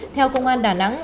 theo công an đà nẵng